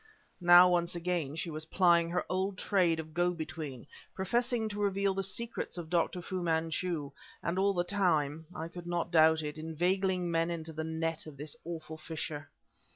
Now, once again she was plying her old trade of go between; professing to reveal the secrets of Dr. Fu Manchu, and all the time I could not doubt it inveigling men into the net of this awful fisher.